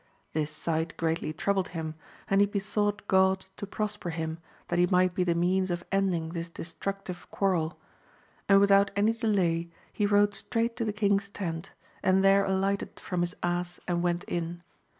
This sight greatly troubled him, and he besought God to prosper him, that he might be the means of ending this destructive quarrel, and without any delay he rode straight to the king's tent, and there alighted from his ass and went in.